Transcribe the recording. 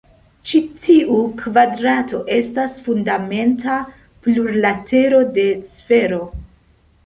Ĉi tiu kvadrato estas fundamenta plurlatero de sfero.